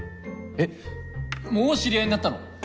えっもう知り合いになったの！？